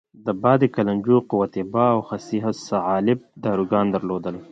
د باد کلنجو، قوت باه او خصیه الصعالب داروګان درلودل.